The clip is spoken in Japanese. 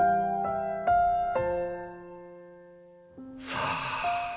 さあ。